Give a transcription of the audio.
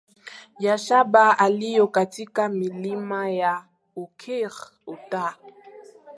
ya shaba yaliyo katika milima ya Oquirrh Utah